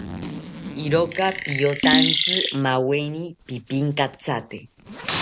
Iroka piyotantzi, maweni pipinkithate